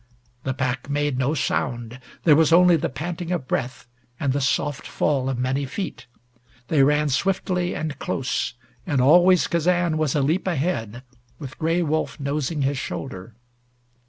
The pack made no sound. There was only the panting of breath and the soft fall of many feet. They ran swiftly and close. And always Kazan was a leap ahead, with Gray Wolf nosing his shoulder.